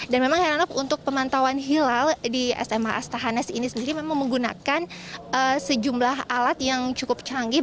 dan memang heranof untuk pemantauan hilal di sma astahanas ini sendiri memang menggunakan sejumlah alat yang cukup canggih